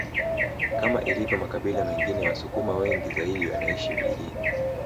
Kama ilivyo makabila mengine wasukuma wengi zaidi wanaishi vijijini